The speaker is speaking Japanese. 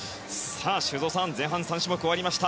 修造さん前半３種目が終わりました。